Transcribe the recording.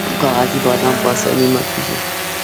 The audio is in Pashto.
کاغذي بادام په اسانۍ ماتیږي.